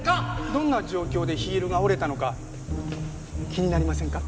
どんな状況でヒールが折れたのか気になりませんか？